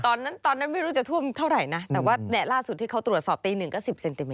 ตอนนั้นตอนนั้นไม่รู้จะท่วมเท่าไหร่นะแต่ว่าล่าสุดที่เขาตรวจสอบตีหนึ่งก็๑๐เซนติเม